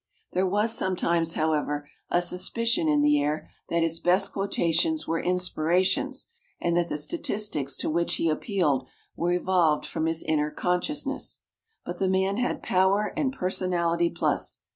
There was sometimes, however, a suspicion in the air that his best quotations were inspirations, and that the statistics to which he appealed were evolved from his inner consciousness. But the man had power and personality plus.